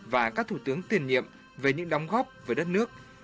và các thủ tướng tiền nhiệm về những đóng góp với đất nước